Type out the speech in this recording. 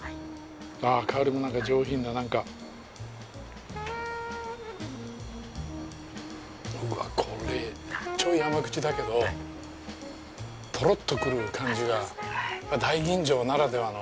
あぁ香りも上品ななんか。うわこれちょい甘口だけどトロッとくる感じが大吟醸ならではの。